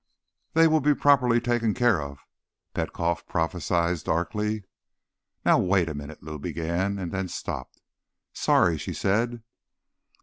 "They will be properly taken care of," Petkoff prophesied darkly. "Now, wait a minute—" Lou began, and then stopped. "Sorry," she said.